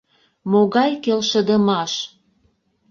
Могай келшыдымаш?